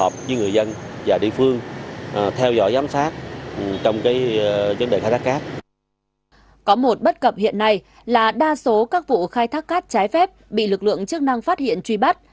có một bất cập hiện nay là đa số các vụ khai thác cát trái phép bị lực lượng chức năng phát hiện truy bắt